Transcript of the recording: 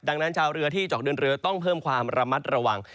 ดังนั้นชาวเรือที่จะออกเดินเรือต้องเพิ่มความระมัดระวัง